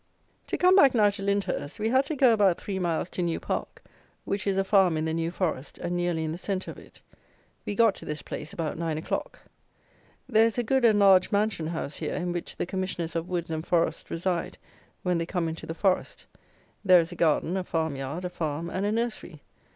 To come back now to Lyndhurst, we had to go about three miles to New Park, which is a farm in the New Forest, and nearly in the centre of it. We got to this place about nine o'clock. There is a good and large mansion house here, in which the "Commissioners" of Woods and Forests reside, when they come into the Forest. There is a garden, a farm yard, a farm, and a nursery.